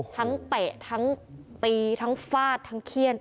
เตะทั้งตีทั้งฟาดทั้งเขี้ยน